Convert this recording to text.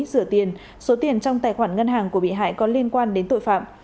rửa tiền số tiền trong tài khoản ngân hàng của bị hại có liên quan đến tội phạm